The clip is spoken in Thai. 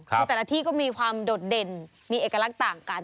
คือแต่ละที่ก็มีความโดดเด่นมีเอกลักษณ์ต่างกัน